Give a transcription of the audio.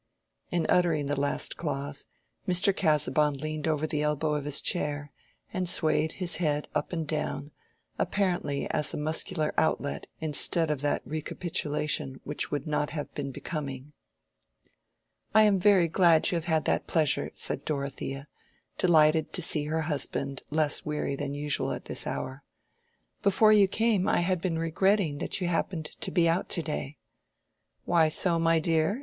In uttering the last clause, Mr. Casaubon leaned over the elbow of his chair, and swayed his head up and down, apparently as a muscular outlet instead of that recapitulation which would not have been becoming. "I am very glad you have had that pleasure," said Dorothea, delighted to see her husband less weary than usual at this hour. "Before you came I had been regretting that you happened to be out to day." "Why so, my dear?"